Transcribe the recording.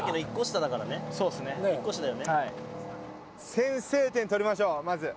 先制点取りましょうまず。